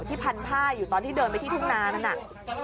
พันผ้าอยู่ตอนที่เดินไปที่ทุ่งนานั่นน่ะ